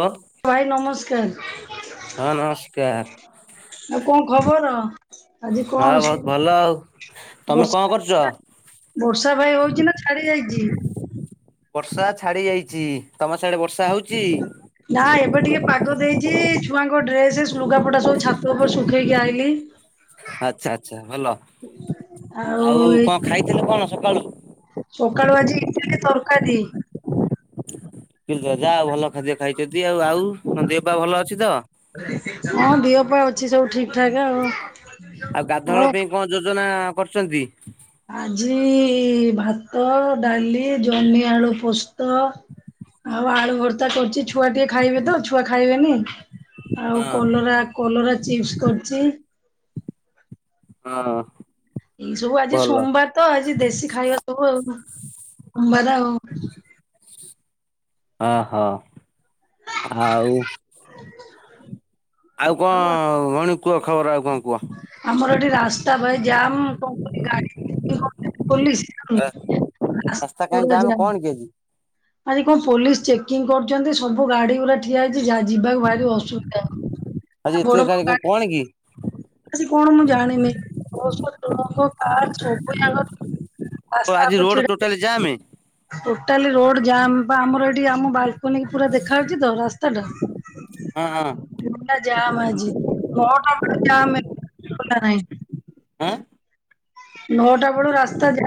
ହଁ ଭାଇ ନମସ୍କାର ହଁ ନମସ୍କାର ଆଉ କଣ ଖବର ଆଜି ହଁ କଣ ବହୁତ ଭଲ ଆଉ। ସ ତମେ କଣ ବର୍ଷା କରୁଛ? ବର୍ଷା ଭାଇ ହଉଛି ନା ଛାଡି ଯାଇଛି ବର୍ଷା ଛାଡି ଯାଇଛି ତମ ସିଆଡେ ବର୍ଷା ହଉଛି ନା ଏବେ ଟିକେ ପାଗ ଦେଇଛି ଛୁଆଙ୍କ ଡ୍ରେସ ଲୁଗାପଟା ସବୁ ଛାତ ଉପରେ ଶୁଖେଇକି ଆଇଲି ଆଛା ଆଚ୍ଛା ଭଲ ଆଉ କଣ ଖାଇଥିଲୁ କଣ ସକାଳୁ ସକାଳୁ ଆଜି ଇଡଲି ତରକାରି ଯା ଆଉ ଭଲ ଖାଦ୍ୟ ଖାଇଛନ୍ତି ଆଉ ଆଉ ଦେହ ପା ଭଲ ଅଛି ତ ହଁ ଦିଅ ପା ଅଛି ସବୁ ଠିକ ଠାକ ଆଉ ଆଉ ଗାଧଅ ପାଇଁ କଣ ଯୋଜନା କରଛନ୍ତି ଆଜି ଭାତ ଡାଲି ଜହ୍ନିଆଳୁ ପୋସ୍ତ ଆଉ ଆଳୁ ଭର୍ତା କରୁଛି ଛୁଆ ଟିକେ ଖାଇବେ ତ ଛୁଆ ଖାଇବେନି ଆଉ ହଁ କଲରା କଲରା ଚିପ୍ସ କରିଛି। ହଁ ଏଇ ସବୁ ଆଜି ଭଲ ସୋମବାର ତ ଆଜି ଦେଶୀ ଖାଇବା ସବୁ ଆଉ ସୋମବାର ଆଉ। ଓ ହଁ ଆଉ ଆଉ କଣ ମଣି କୁହ ଖବର ଆଉ କଣ କୁହ ଆମର ଏଠି ରାସ୍ତା ଭାଇ ଜାମ କଣ କ [inaudible] ଗାଡି ପୁର ଯ ରାସ୍ତା କାହିଁ ଯାମ [inaudible] କଣ କି ଆଜି? ଆଜି କଣ ପୋଲିସ ଚେକିଂ କରୁଛନ୍ତି ସବୁ ଗାଡି ଗୁଡା ଠିଆ ହେଇଛି ଯାହା ଯିବାକୁ ଭାରି ଅସୁବିଧା ହଉଛି। ଆଜି ଏତେ [unintelligible] କଣ କି ଆଜି କଣ ମୁଁ ଜାଣିନି କବୁଙ୍ଗ [inaudible] ରାସ୍ତା ଆଜି ପୁ ରୋଡ ଛ [inaudible] ଟୋଟାଲି ଯାମେ ଟୋଟାଲି ରୋଡ ଜାମ୍, ବା ଆମର ଏଠି ଆମ ବାଲକୋନି ପୁରା ଦେଖାହାଉଉଛି ତ ରାସ୍ତା ଟା। ହଁ ହଁ। ମୁଣ୍ଡା ଯା ଆଜି ମଟ ଯ ନହି [inaudible] ହଁ ନଅଟା ବେଳୁ ରାସ୍ତା ଯାମ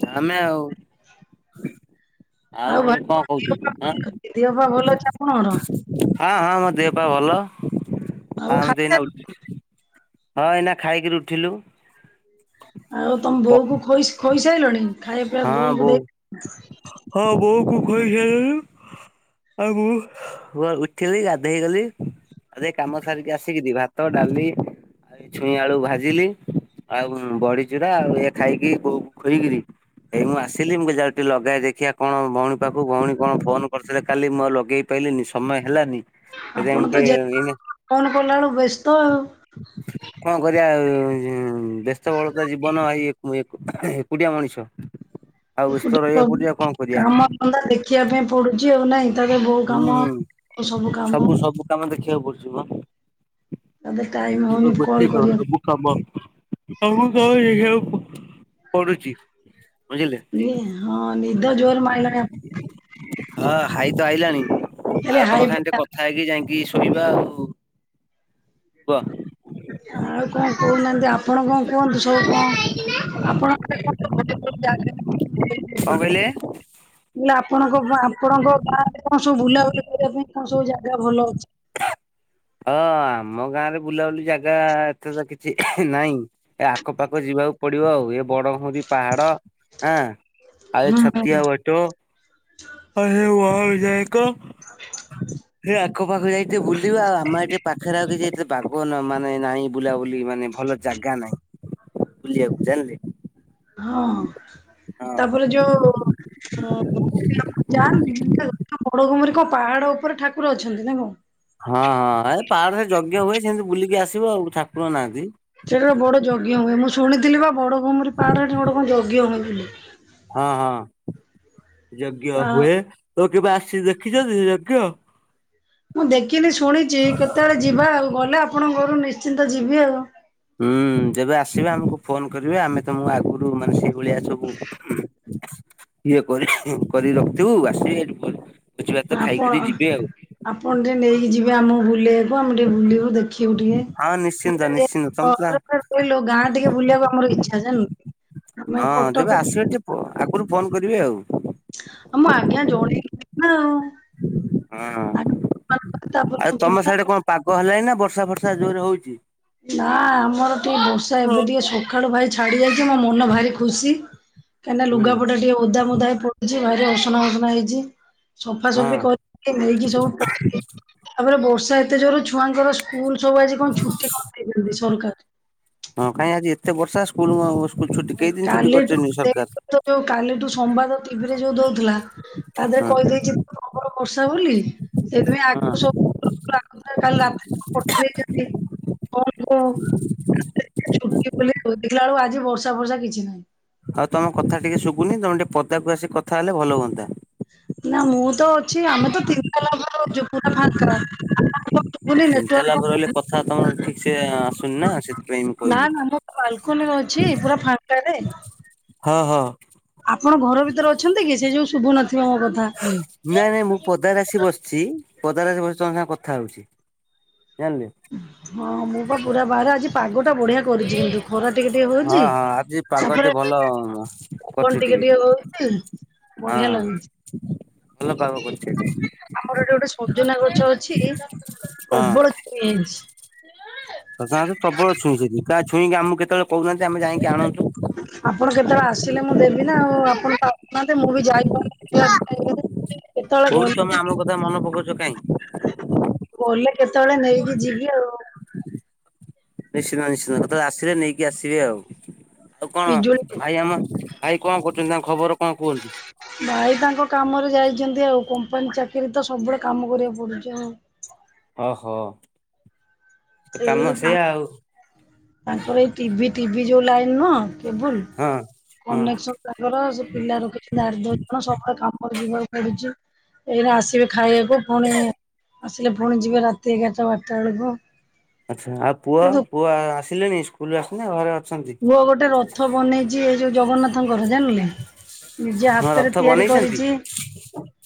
ଛ ଆମେ ଆଉ। ଆଉ ଭଉଣି ଭାଇ କଣ ଦେହ କହୁଛୁଁ। ପା ଭଲ ଅଛି ଦେହ ପା ଭଲ ଅଛି ଆପଣଙ୍କର? ହଁ ହଁ ମୋ ଦେହ ବା ଭଲ। ଆଉ ଖାଇଲନି? ହଁ [inaudible] ହଁ। ଏଇନା ଖାଇକରି ଉଠିଲୁ। ଆଉ ତମ ପ ବୋଉ କୁ ଖୋଇ ଖୋଇ ସାରିଲଣି। ହଁ ବୋଉ ହଁ ବୋଉକୁ ଖୋଇସାରିଲିଣି। ଆଉ ମୁଁ ଉଠିବି ଗାଧୋଇ ଗଲି। ଆଉ ସେ କାମ ସାରିକି ଆସିଲି। ଭାତ, ଡାଲି, ଆଉ ଏ ଛୁଇଁ ଆଳୁ ଭାଜିଲି ଆଉ ବଡିଚୁରା ଆଉ ଖାଇକି ବୋଉ ଖୁଇକିରି- ଏଇ ମୁଁ ଆସିଲି ମୁଁ ଜାଏ ଟିକେ ଲଗେଇ, ଦେଖିିବା କଣ ଭଉଣୀ ପାଖକୁ ଭଉଣୀ କଣ ଫୋନ କରିଥିଲେ କାଲି ମୁଁ ଲଗେଇ ପାଇଲିନି ସମୟ ହେଲାନି। ସେଥିପାଇଁ ମୁଁ ଆପଣ ଟିକେ ତ ଯେ ଏଇନା ଫୋନ କଲା ବେଳୁ ବ୍ୟସ୍ତ ଆଉ। କଣ କରିବା ବ୍ୟସ୍ତବଳତା ଜୀବନ। ଏକୁଟିଆ ମଣିଷ, ଆଉ ବ୍ୟସ୍ତ ଟିକେ ରହିବାକୁ ପଡୁଛି ଆଉ କଣ କରିବା କାମ ଧନ୍ଦା ଦେଖିବା ପାଇଁ ପଡୁଛି ଆଉ ନାହିଁ। ବୋଉ କାମ ସବୁ କାମ [unintelligible] ତମେ ଦେଖିବାକୁ ପଡୁଛ ତାପରେ ଗ ଟାଇମ ହଉନି ତ କଲ୍ କରିବା ପାଇଁ ସବୁ। [unintelligible] ହବ ତମକୁ କଣ ଦେଖିବାକୁ ପଡୁଛି। ବୁଝିଲେ। ହଁ। ନିଦ ଜୋର ମାଇଲା। ହଁ ହାଇ ତ ଆଇଲାଣି। ତାହେଲେ ଆଉ ହାଇ ତମ ସାଙ୍ଗେ ଟିକେ ଫାଇ କଥା ହେଇକି ଯାଇକି ଶୁଣିବା ଆଉ। କୁହ! ଆଉ କଣ କହୁନାହାନ୍ତି। ଆପଣ କଣ କୁହନ୍ତୁ ସବୁ କଣ ଆପଣ। କଣ କହିଲେ [inaudible] ଆପଣଙ୍କ ଆପଣଙ୍କ ଗାଁ ରେ କଣ ସବୁ ବୁଲାବୁଲି କରିବା ପାଇଁ କଣ ସବୁ ଜାଗା ଭଲ ଅଛି। ହଁ ଆମ ଗାଁରେ ବୁଲାବୁଲି ଜାଗା ଏତେ ତ କିଛି ନାହିଁ। ଏ ଆଖପାଖ ଯିବାକୁ ପଡିବ ଆଉ ଏ ବଡ ଘରି [unintelligible] ପାହାଡ ହେଁ ଆଉ ଏ ହୁଁ। ଛତିଆ ବଟ। ଆହେ ଯାଏ ଏକ [unintelligible] ସେ ଆଖ ପାାଖ ଯାଇକି ବୁଲିବା ଆଉ ଏଠେ ପାଖରେ ଆଉ କିଛି ଏତେ ବାଗ ମାନେ ନାହିଁ ବୁଲାବୁଲି ମାନେ ଭଲ ଜାଗା ନାହିଁ। ବୁଲିବାକୁ ଜାଆନ୍ତି। ହଁ ହଁ। ତାପରେ ଯୋଉ ଯା ବଡ଼ଭୁମି [unintelligible] କୋ ପାହାଡ ଉପରେ ଠାକୁର ଅଛନ୍ତି ନା କଣ? ହଁ ହଁ। ଏ ପାହାଡ ରେ ଯଜ୍ଞ ହୁଏ, ସେମିତି ବୁଲିକି ଆସିବ ଆଉ ଠାକୁର ନାହାନ୍ତି। ସେଠାରେ ବଡ ଯଜ୍ଞ ହୁଏ। ମୁଁ ଶୁଣିଥିଲି ବା ବଡଭୁମୁରୀ ପାହାଡରେ ଏଠି କଣ ଗୋଟେ ଯଜ୍ଞ ହୁଏ ବୋଲି। ହଁ ହଁ। ଯଜ୍ଞ ହଁ ହୁଏ, ତ କେବେ ଆସି ଦେଖିଛନ୍ତି ଯଜ୍ଞ? ମୁଁ ଦେଖିନି ଶୁଣିଛି। କେତେବେଳେ ଯିବା ଆଉ ଗଲେ ଆପଣଙ୍କ ଘରୁ ନିଶ୍ଚିନ୍ତ ଯିବି ଆଉ। ହୁଁ। ଯେବେ ଆସିବା ଆମକୁ ଫୋନ କରୀବେ ଆମେ ତମକୁ ଆଗରୁ ମାନେ ସେଇଭଳିଆ ସବୁ। ଇଏ କରି କରିିକି ରଖିଥିବୁ ଆସିବି ଏଇଠି ବୁଲି ଆପଣ ଆପଣ ଟିକେ ନେଇକି ଯିବେ ଆମକୁ ବୁଲେଇବାକୁ ଆମେ ଟିକେ ବୁଲିବୁ ଦେଖ ହଁ ନିଶ୍ଚିନ୍ତ ଦେଖିବୁ ନିଶ୍ଚିନ୍ତ ତମେ ତ ଟିକେ [inaudible] ଲୋ ଗାଁ ଟିକେ ବୁଲିବାକୁ ଆମର ଇଚ୍ଛା ଜାଣିଲୁ କି? ହଁ ଯେବେ ଆସିବେ, ଟିକେ ଆଗରୁ ଫୋନ କରିବେ ଆଉ। ଆଉ ମୁଁ ଆଜ୍ଞା ଜଣେଇଥିଲ ନା ହଁ ଆଉ। ଆଉ ତମ ସାଡେ [unintelligible] କଣ ପାଗ ହେଲାଣିି ନା ବର୍ଷା ଫର୍ଷା ଜୋରେ ହଉଚି? ନା ଆମର ଟିକେ ବର୍ଷା ହୁଁ ଏବେ ଟିକେ ସୁ ସଖାଳୁ ଭାଇ ଛାଡି ଯାଇଛି ମୋ ମନ ଭାରି ଖୁସି, କାହିଁକିନା ଲୁଗାପଟା ଟିକେ ଓଦା ମୋଦା ହେଇ ପଡୁଛି, ଭାରି ଅସନା ମସନା ହେଇଚି। ସଫା ହଁ ସଫି କରିକି ନେଇକି ସବୁ ପ ତାପରେ ବର୍ଷା ଏତେ ଜୋର, ଛୁଆଙ୍କର ସ୍କୁଲ ସବୁ ଆଜି କଣ ଛୁଟି କରି ଦେଇଛନ୍ତି ସରକାର। ହଁ କାଇଁ ଆଜି ଏତେ ବର୍ଷା ସ୍କୁଲ୍ କଣ ସ୍କୁଲ ଛୁଟି। କେଇ ଦିନ ଛୁଟି କାଲିଠୁ କରିଛନ୍ତି ସରକାର? [unintelligible] ଯୋଉ କାଲିଠୁ ସମ୍ବାଦ ଟିଭିରେ ଯୋଉ ଦଉଥିଲା। ତା ଦେହରେ ହଁ କହିଦେଇଛି ପ୍ରବଳ ବର୍ଷା ବୋଲି, ସେଥିପାଇଁ ଆକୁ ହଁ ସବୁ ପା [unintelligible] କାଲି ରାତିରେ ପକେଇ ଦେଇଛନ୍ତି କଲକୁ। ଛୁଟି ବୋଲି, ଦେଖିଲା ବେଳକୁ ଆଜି ବର୍ଷା ଫର୍ଷା କିଛି ନାହିଁ। ଆଉ ତମ କଥା ଟିକେ ଶୁଭୁନି, ତମେ ଟିକେ ପଦାକୁ ଆସି କଥା ହେଲେ ଭଲ ହୁଅନ୍ତା। ନା ମୁଁ ତ ଅଛି ଆମେ ତ ତିନି ତାଲା ଉପରେ ଅଛୁ, ପୁରା ଫାଙ୍କା ଆ-ଆମେ ତ ଆଉ ତିନି ତାଲା ଉପରେ ରହିଲେ, କଥା ତମର ଠିକସେ ଆସୁନି ନା ସେଥିପାଇଁ ମୁଁ କହିଲି। ବାଲକୁନିରେ ଅଛି ପୁରା ଫାଙ୍କାରେ। ହଁ- ହଁ। ଆପଣ ଘର ଭିତରେ ଅଛନ୍ତି କି, ସେଇ ଯୋଗୁ ଶୁଭୁନଥିବ ମୋ କ ଉଁ ନାଇଁ ନାଇଁ ମୁଁ ପଦାରେ ଆସି ବସିଛି, ପଦାରେ ଆସି ବସିଛି ତମ ସାଙ୍ଗେ କଥା ହଉଛି ଜାଣିଲେ। ହଁ- ମୁଁ ପା ପୁରା ବାହାରେ ଆଜି ପାଗ ଟା ବଢିଆ କରିଛି, କିନ୍ତୁ ଖରା ଟିକେ ଟିକେ ହଁ ହଉଛି। ହଁ ଆଜି ପାଗ ଟିକେ ତାପରେ ଭଲ। କଣ ଟିକେ ଟିକେ ହଉଚି, ହଁ ବଢିଆ ହଁ। ଲାଗୁଛି। ଭଲ ପାଗ କରିଚି ଆଜି। ଆମର ଏଠି ଗୋଟେ ସଜନା ଗଛ ଅଛି, ହଁ ପ୍ରବଳ ଛୁଇଁ ହେଇଚି। [unintelligible] ପ୍ରବଳ ଛୁଇଁ ସେଠି କା ଛୁଇଁ କା, ଆମକୁ କେତେବେଳେ କହୁନାହାନ୍ତି ଆମେ ଯାଇଁକି ଆଣନ୍ତୁ। ଆପଣ କେତେବେଳେ ଆସିଲେ ମୁଁ ଦେବି ନା ଆଉ। ଆପଣ ତ୍ ଆସୁନାହାନ୍ତି ମୁଁ ବି ଯାଇପାରୁନି। [unintelligible] କେତେବେଳେ କୋଉଠି ଗଲେ ତମେ ଆମ କଥା ମନେ ପକଉଚ କାଇଁ? ଗଲେ କେତେବେଳେ ନେଇକି ଯିବି ଆଉ। ନିଶ୍ଚିନ୍ତ ନିଶ୍ଚିନ୍ତ କେତେବେଳେ ଆସିଲେ ନେଇକି ଆସିବେ ଆଉ। ଆଉ କଣ ପିଜୁଳି ଭାଇ ଆମ ଭାଇ କଣ କରୁଛନ୍ତି, ତାଙ୍କ ଖବର କଣ କୁହନ୍ତୁ? ଭାଇ ତାଙ୍କ କାମରେ ଯାଇଛନ୍ତି ଆଉ, କମ୍ପାନୀ ଚାକିରି ତ ସବୁବେଳେ କାମ କରିବାକୁ ପଡୁଚି ଆଉ। ଓ ହୋ। ଏଇ ତା ତାଙ୍କର ଏଇ ଟିଭି, ଟିଭି ଯୋଉ ଲାଇନ ନୁହଁ କେବୁଲ ହଁ। ହଁ କନେକ୍ସ ନ୍ ତାଙ୍କର ସେ ପିଲା ରଖିଛନ୍ତି ଆଠ ଦଶ ଜଣ। ସବୁବେଳେ କାମରେ ଯିବାକୁ ପଡୁଛି। ଏଇନା ଆସିବେ ଖାଇଆକୁ, ଫୁଣି ଆସିଲେ ଫୁଣି ଯିବେ ରାତି ଏଗାରଟା ବାରଟା ବେଳକୁ। ଆଚ୍ଛା ଆଉ ପୁଅ, କିନ୍ତୁ ପୁଅ ଆସିଲେଣି ସ୍କୁଲୁରୁ ଆସିଲେ ନା ଘରେ ଅଛନ୍ତି? ପୁଅ ଗୋଟେ ରଥ ବନେଇଛି, ଏଇ ଯୋଉ ଜଗନ୍ନାଥଙ୍କର ଜାଣିଲେ। ନିଜେ ହଁ ହାତରେ ରଥ ତିଆରି ବନେଇଛନ୍ତି କରିଛି।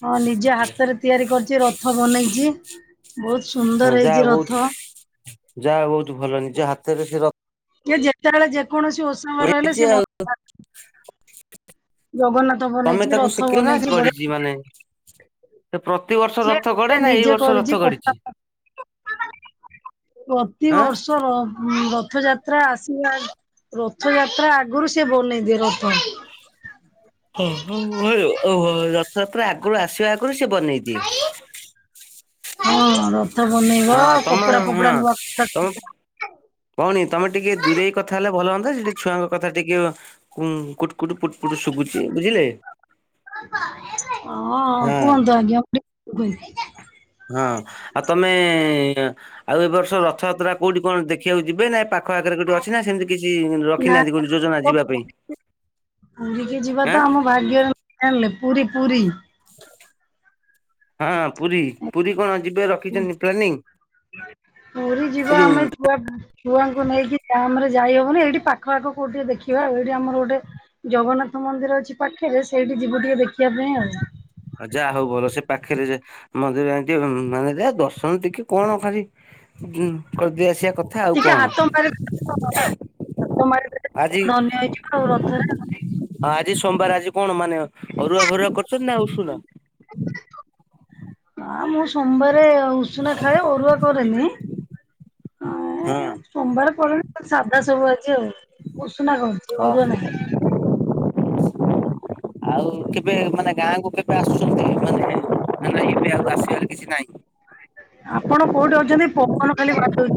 ହଁ ନିଜ ହାତରେ ତିଆରି କରିଚି, ରଥ ବନେଇଚି ବହୁତ ସୁନ୍ଦର ହେଇଛି ରଥ। ଯା ହଉ ବହୁତ ଭଲ, ନିଜ ହାତରେ ସେ ର ସେ ଯେତେବେଳେ ଯେକୌଣସି ଓଷା ବାର ହେଲେ ସେ [unintelligible] ଜଗନ୍ନାଥ ତମେ ବନେଇଛି ତାକୁ ରଥ ଶିଖିଲ ନା, ବନେଇଛି ବଢିଆ ଗଢିଛି ମାନେ ପ୍ରତିିବର୍ଷ ଯେ ରଥ ସେ ଗଡ଼େ ନା! ଏଇ ନିଜେ ବର୍ଷ ରଥ ଗଡିଛି? ଆଁ ପ୍ରତିିବର୍ଷ ର-ରଥଯାତ୍ ଆତ୍ରା ଆସିବା, ରଥଯାତ୍ରା ଆଗରୁ ସେ ବନେଇ ଦିଏ ରଥ। ହଁ ହଁ ହଏ-ଅ ରଥଯାତ୍ରା ଆଗରୁ ଆସିବା ଆଗରୁ, ସିଏ ବନେଇ ଦିଏ। ହଁ, ରଥ ବନେଇବ, ହଁ ତମ କପଡା ଫପଡା ନୂଆ କପଡ଼ା [inaudible] କଣ କି, ତମେ ଟିକେ ଦୂରେଇ କଥା ହେଲେ ଭଲ ହଅନ୍ତା, ସେଠି ଛୁଆଙ୍କ କଥା ଟିକେ ଉଁ କୁଟ କୁଟ ପୁ ହଁ, ହଁ କୁହନ୍ତୁ ଆଜ୍ଞା ଟି [inaudible] ହଁ, ଆଉ ତମେ-ଏ ଆଉ ଏ ବର୍ଷ ରଥଯାତ୍ରା କୋଉଠି କଣ ଦେଖିବାକୁ ଯିବେ? ନା ଏଇ ପାକ୍ ପାଖ ଆଖରେ କଉଠି ଅଛି ନା ସେମିତି କିଛି ନା ରଖିନାହାଁନ୍ତି! ତ କୋଉଠି ଯୋଜନା ଯିବା ପାଇଁ? ପୁରୀ କି ଯିବା ଆଁ ତ ଆମ ଭାଗ୍ୟରେ [inaudible] ଜାଣିଲେ ପୁରୀ ପୁରୀ। ହଁ, ପୁରୀ ପୁରୀ କଣ ଯିବେ? ର ଉ ପୁରୀ ଏ ଯିବ ଯୋଉ ଆମେ ଛୁଆ ଛଆଙ୍କୁ ନେଇକି ଜାମ୍ ରେ ଯାଇହବନି। ଏଇଠି ପାଖ ପାଖ କୋଉଠି ଟିକେ ଦେଖିବା ଆଉ। ଏଇଠି ଆମର ଗୋଟେ ଜଗନ୍ନାଥ ମନ୍ଦିର ଅଛି ପାଖରେ, ସେଇଠି ଯିବୁ ଟିକେ ଦେଖିବା ପାଇଁ ଆଉ। ଆଉ, ଯାହା ହଉ ଭଲ। ସେ ପାଖିରେ ଯେ ମନ୍ଦିର ଆଙ୍କେ ମାନେ ଯା ଦର୍ଶନ ଟିକେ କଣ ଖାଲି ଯୁଁ କରଦେଇ ଆସିବା କଥ ଟିକେ ହାତ ମାର [inaudible] ହାତ ମାରି ଆଜି! ଆଜି ସୋମବାର, ଆଜି କଣ ମାନେ? ଅରୁଆ ଫରୁଆ କରିଛନ୍ତି ନା ଉଶୁନା? [inaudible] ଆ ମୁଁ ସୋମବାରେ ଉଷୁନା ଖାଏ, ଅରୁଆ କରେନି। ଏଁ ହଁ। ସୋମବାର ପଡୁନି, ସାଧା ସବୁ ଆଜି ଆଉ। ଉଷୁନା କରୁଛି ହ। ଅରୁଆ ନାହିଁ ଆଉ, କେବେ ମାନେ ଗାଁକୁ କେବେ ଆସୁଛନ୍ତି? ମାନେ ମାନେ, ଏବେ ଆଉ ଆସିବାର କିଛି ନାହିଁ? ଆପଣ କୋଉଠି ଅଛନ୍ତି? ପବନ ଖାଲି ବାଡଉଛି।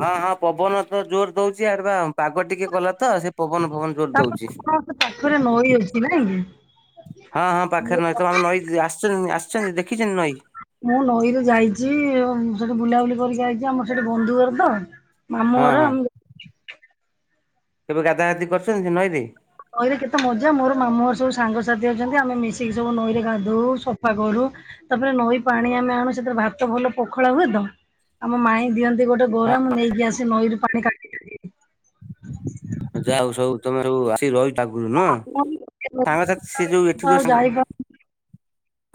ହଁ, ହଁ, ପବନ ତ ଜୋର ଦଉଛି, ଏଆଡ ବା ପାଗ ଟିକେ କଲା ତ! ସେ ପବନ ଫବନ ଜୋର ତାପରେ ଦଉଛି। ଆପଣଙ୍କ ପାଖରେ ନଈ ଅଛି ନାଇଁ କି? ହଁ, ହଁ ପାଖରେ ନଈ। ତମ ଆମେ ନଈ ଆସଛନ୍ତି ଆସିଛନ୍ତି, ଦେଖିଛନ୍ତି ନଈ? ମୁଁ ନଈରୁ ଯାଇଛି, ସେଠି ବୁଲାବୁଲି କରିକି ଯାଇଛି, ଆମର ସେଠି ବନ୍ଧୁ ଘର ତ! ହଁ ମାମୁଁର ହଁ ଆମ୍ କୁ କେବେ ଗାଧା ଗାଧି କରିଛନ୍ତି ସେ ନଈରେ? ନଈରେ କେତେ ମଜା! ମୋର ମାମୁଁଘର ର ସବୁ ସାଙ୍ଗସାଥି ଅଛନ୍ତି, ଆମେ ମିଶିକି ସବୁ ନଈରେ ଗାଧଉ ସଫା କରୁ। ତା'ପରେ ନଈ ପାଣି ଆମେ ଆଣୁ ସେଥିରେ ଭାତ ଭଲ ପଖଳା ହୁଏ ତ, ଆମ ମାଇଁ ଦିଅନ୍ତି। ଦେ ଗୋଟେ ଗରା ମୁଁ ନେଇକି ଆସେ ନଈରୁ ପାଣି କାଢ଼ି ଯାଉ ସବୁ ତମେ ସବୁ ଆସିକି ରହି ଟା ଗୁରୁ ନୁହଁ। ସାଙ୍ଗ ସାଥି ସେ ଯୋଉ, ଏଠି ଆଉ ଯଉ ସାଙ୍ଗ ଯାଇପାରୁନି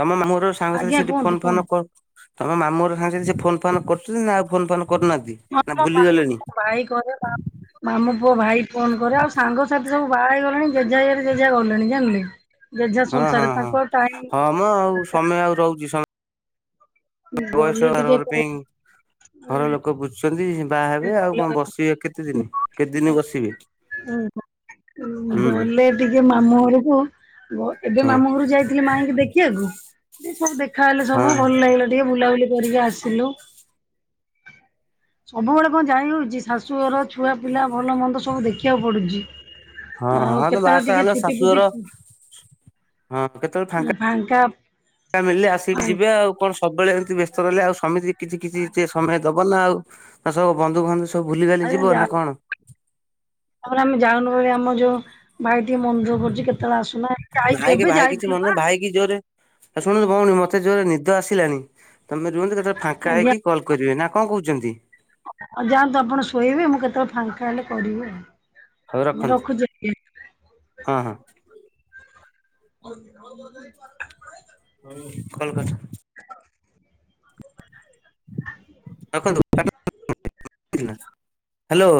ତମ ମାମୁଁ ହର ସାଙ୍ଗସାଥି ଆଜ୍ଞା ସେଠି, କୁହନ୍ତୁ ଫୋନ୍ ଫୋନ୍ କୁହନ୍ତୁ। କରୁ ତମ ମାମୁଁହର ସାଙ୍ଗରେ ସେ ଫୋନ୍ ଫାନ୍ କରୁଛନ୍ତି ନା ଆଉ ଫୋନ୍ ଫାନ୍ କରୁନାହାଁନ୍ତି? ହଁ, ମାମୁଁ ଭାଇ କରେ ମାମୁଁ ପୁଅ ଭାଇ ଫୋନ୍ କରେ, ଆଉ ସାଙ୍ଗସାଥି ସବୁ ବାହା ହେଇଗଲେଣି। ଯେଝା ଇଏରେ ଯେଝା ଗଲେଣି। ଜାଣିଲେ! ଯେଝା ସଂସାରେ ତାଙ୍କୁ ଆଉ ଟାଇମ୍ [inaudible] ସମ ଆଉ, ସମୟ ଆଉ ରହୁଛି। ସମ ବୟସ ଗଲେ ଆର ଟିକେ ଆର ଗଲେ ପିଂ ଘର ଲୋକ ବୁଝୁଛନ୍ତି, ବାହା ହେବେ ଆଉ କଣ ବସିବେ? କେତେ ଦିନ, କେତେ ଦିନ ବସିବେ? ଉଁ ହ। ହୁଁ ଗଲେ ଟିକେ ମାମୁଁ ଘରକୁ, ଏବେ ହଁ ମାମୁଁ ଘରକୁ ଯାଇଥିଲି ମାାଇଁକି ଦେଖି ଖିଆକୁ, ଟିକେ ସବ୍ ଦେଖା ହେେଲେ ହଁ ସବୁ ଭଲ ଲାଗିଲା, ଟିକେ ବୁଲାବୁଲି କରିକି ଆସିଲୁ। ସବୁବେଳେ କଣ ଯାଇ ହଉଚି। ଶାଶୁଘର ଛୁଆ ପିଲା ଭଲ ମନ୍ଦ ସବୁ ଦେଖିବାକୁ ପଡୁଚି। ହଁ ହଁ ତ ବାହାସା ହେଲ ଫୁଟି ଶାଶୁଘର ହଁ କେତେବେଳେ ଫାଙ୍କା ମିଳିଲେ ଆସିକି ତାପରେ ଯିବେ ଆଉ କଣ। ସବୁବେଳେ ଏମିତି ବ୍ୟସ୍ତ ରହିଲେ ଆଉ ସମିତି କିଛି କିଛି ଯେ ସମୟ ଦବନା ଆଉ ନା ସବୁ ବନ୍ଧୁ ବାନ୍ଧ ସବୁ ଭୁଲିିଭାଲି ଯିବ ନା କଣ? ହଁ ପରା ଆମେ ଯାଉନୁ ବୋଲି ଆମ ଯୋଉ ଭାଇ ଟି ମନ ଦୁଃଖ କରୁଚି କେତେବେଳେ ଆସୁନ। ଯାଇଚି ଭାଇ କି ଏବେ ଭାଇ କିଛି ଯାଇଥିଲୁ ମନେ ପା। ଭାଇ କିି ଜୋରେ ଆଉ ଶୁଣନ୍ତୁ ଭଉଣୀ ମୋତେ ଜୋରେ ନିଦ ଆସିଲାଣି। ତୋମେ ରୁହନ୍ତୁ କେ ଯ ଫାଙ୍କା ଆଜ୍ଞା। ହେଇକି କଲ୍ କରିବେ ନା କଣ କହୁଛନ୍ତି? ହଁ ଯାଆନ୍ତୁ ଆପଣ ଶୋଇବେ ମୁଁ କେତେବେଳେ ଫାଙ୍କା ହେଲେ କରିବି ଆଉ। ହଉ ରଖନ୍ତୁ। ରଖୁଛି ଆଜ୍ଞା। ହଁ, ହଁ। [unintelligible] ହଉ କଲ୍ କାଟ। [unintelligible] ରଖନ୍ତୁ [inaudible] ହାଲୋ।